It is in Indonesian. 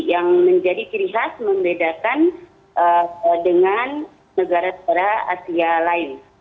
yang menjadi ciri khas membedakan dengan negara negara asia lain